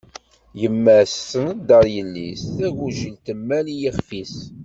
Yemma-s tneddaṛ yelli-s, tagujilt temmal i yixef-is.